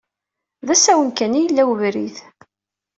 D asawen kan i yella ubrid.